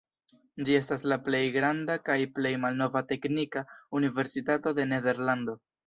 Ĝi estas la plej granda kaj plej malnova teknika universitato de Nederlando.